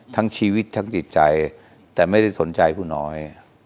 ทั้งชีวิตทั้งจิตใจแต่ไม่ได้สนใจผู้น้อย